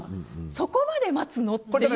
そこまで待つの？っていう。